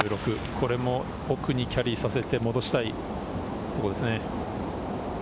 奥にキャリーさせて戻したいところですね。